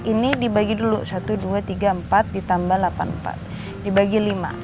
ini dibagi dulu satu dua tiga empat ditambah delapan puluh empat dibagi lima